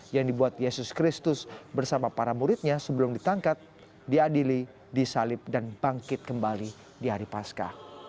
yang dibuat yesus kristus bersama para muridnya sebelum ditangkap diadili disalib dan bangkit kembali di hari pasca